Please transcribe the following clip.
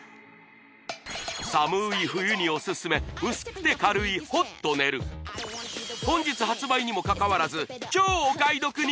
寒い冬にオススメ薄くて軽いホットネル本日発売にもかかわらず超お買い得に